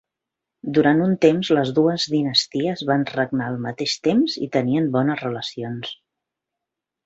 Durant un temps les dues dinasties van regnar al mateix temps i tenien bones relacions.